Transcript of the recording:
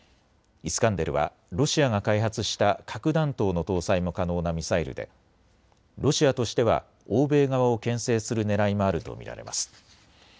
イスカンデルはロシアが開発した核弾頭の搭載も可能なミサイルでロシアとしては欧米側をけん制するねらいもあると見られます。